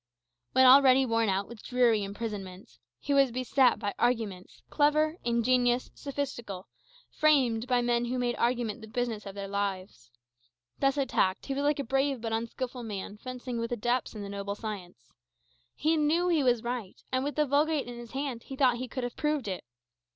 When already worn out with dreary imprisonment, he was beset by arguments, clever, ingenious, sophistical, framed by men who made argument the business of their lives. Thus attacked, he was like a brave but unskilful man fencing with adepts in the noble science. He knew he was right; and with the Vulgate in his hand, he thought he could have proved it.